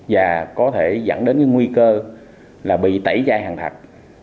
và có thể dẫn đến cái nguy cơ là bị tẩy chai hàng thật